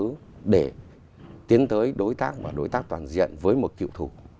cái quá khứ để tiến tới đối tác và đối tác toàn diện với một cựu thủ